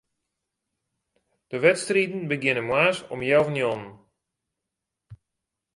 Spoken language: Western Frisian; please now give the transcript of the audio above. De wedstriden begjinne moarns om healwei njoggenen.